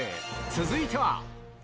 続いては。